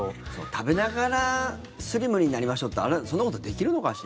食べながらスリムになりましょうってそんなことできるのかしら？